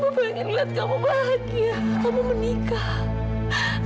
kamu ingin lihat kamu bahagia kamu menikah